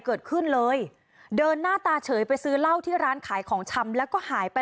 เกิดขึ้นเลยเดินหน้าตาเฉยไปซื้อเหล้าที่ร้านขายของชำแล้วก็หายไป